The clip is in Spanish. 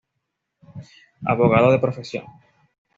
Abogado de profesión.